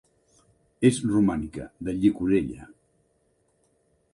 És romànica, de llicorella.